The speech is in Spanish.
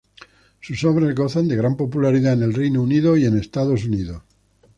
Sus obras gozan de gran popularidad en el Reino Unido y en Estados Unidos.